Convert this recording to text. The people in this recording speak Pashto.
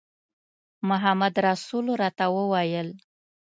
محمدرسول راته وویل.